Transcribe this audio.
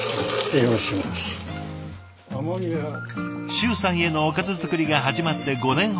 周さんへのおかず作りが始まって５年ほど。